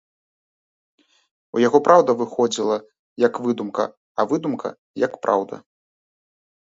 У яго праўда выходзіла, як выдумка, а выдумка, як праўда.